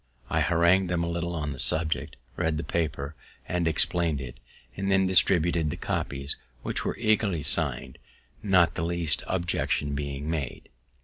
I harangued them a little on the subject, read the paper, and explained it, and then distributed the copies, which were eagerly signed, not the least objection being made.